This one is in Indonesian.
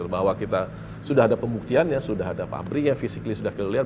bahwa kita sudah ada pembuktiannya sudah ada pabrik yang physically sudah kelihatan